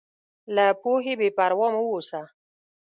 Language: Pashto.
له پوهې بېپروا مه اوسه.